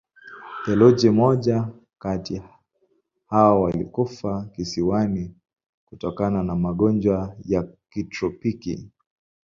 Theluji moja kati hao walikufa kisiwani kutokana na magonjwa ya kitropiki.